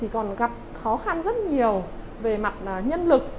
còn gặp khó khăn rất nhiều về mặt nhân lực